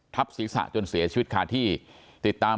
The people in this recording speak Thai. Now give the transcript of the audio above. ศีรษะจนเสียชีวิตคาที่ติดตาม